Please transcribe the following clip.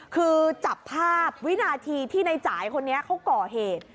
คือจับภาพวินาทีที่ในจ่ายคนนี้เขาก่อเหตุ